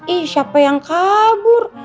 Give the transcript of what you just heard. ih siapa yang kabur